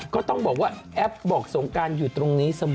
ก็ต้องบอกว่าแอปบอกสงการอยู่ตรงนี้เสมอ